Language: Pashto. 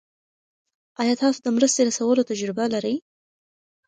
آیا تاسو د مرستې رسولو تجربه لرئ؟